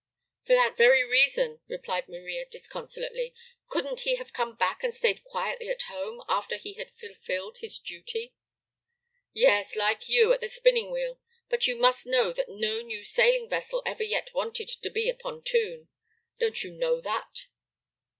"For that very reason," replied Maria disconsolately, "couldn't he have come back and stayed quietly at home, after he had fulfilled his duty?" "Yes, like you, at the spinning wheel; but you must know that no new sailing vessel ever yet wanted to be a pontoon. Don't you know that?"